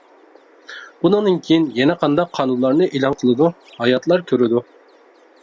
بۇنىڭدىن كېيىن يەنە قانداق قانۇنلارنى ئېلان قىلىدۇ؟ ھاياتلار كۆرىدۇ.